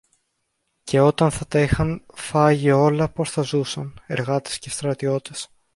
Και όταν θα τα είχαν φάγει όλα, πώς θα ζούσαν, εργάτες και στρατιώτες;